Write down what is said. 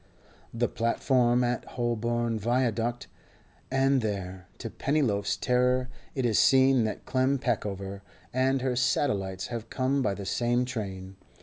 The platform at Holborn Viaduct; and there, to Pennyloaf's terror, it is seen that Clem Peckover and her satellites have come by the same train.